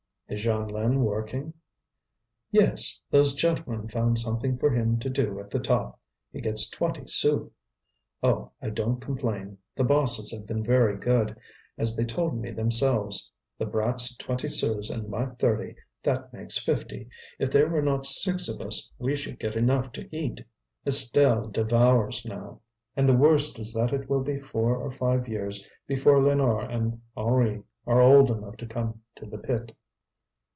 "Is Jeanlin working?" "Yes, those gentlemen found something for him to do at the top. He gets twenty sous. Oh! I don't complain; the bosses have been very good, as they told me themselves. The brat's twenty sous and my thirty, that makes fifty. If there were not six of us we should get enough to eat. Estelle devours now, and the worst is that it will be four or five years before Lénore and Henri are old enough to come to the pit."